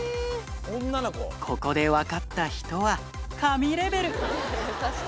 ここで分かった人は、神レベル。